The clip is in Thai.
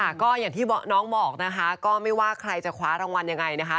ก็อย่างที่น้องบอกนะคะก็ไม่ว่าใครจะคว้ารางวัลยังไงนะคะ